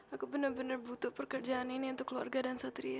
aku benar benar butuh pekerjaan ini untuk keluarga dan satria